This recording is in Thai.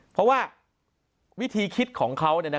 เพราะว่าวิธีคิดของเขา